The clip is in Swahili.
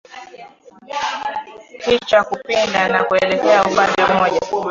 Kichwa kupinda na kuelekea upande mmoja